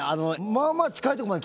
まあまあ近いとこまで。